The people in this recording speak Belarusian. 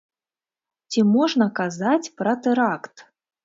Ці можна казаць пра тэракт?